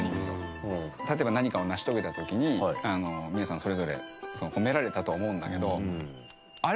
例えば何かを成し遂げた時に皆さんそれぞれ褒められたと思うんだけどあれ